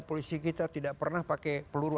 polisi kita tidak pernah pakai peluru